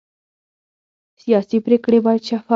سیاسي پرېکړې باید شفافې وي